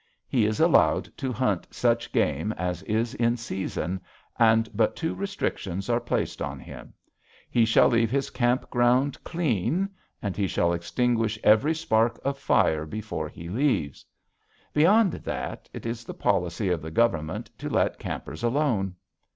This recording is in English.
He is allowed to hunt such game as is in season, and but two restrictions are placed on him. He shall leave his camp ground clean, and he shall extinguish every spark of fire before he leaves. Beyond that, it is the policy of the Government to let campers alone.